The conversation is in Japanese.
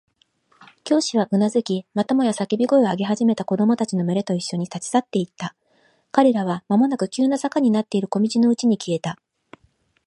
教師はうなずき、またもや叫び声を上げ始めた子供たちのむれといっしょに、立ち去っていった。彼らはまもなく急な坂になっている小路のうちに消えた。